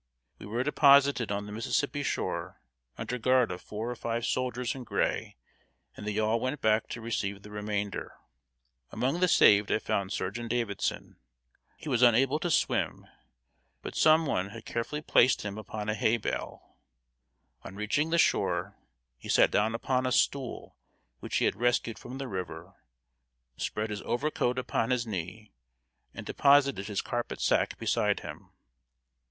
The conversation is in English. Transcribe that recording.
We were deposited on the Mississippi shore, under guard of four or five soldiers in gray, and the yawl went back to receive the remainder. Among the saved I found Surgeon Davidson. He was unable to swim, but some one had carefully placed him upon a hay bale. On reaching the shore, he sat down upon a stool, which he had rescued from the river, spread his overcoat upon his knee, and deposited his carpet sack beside him.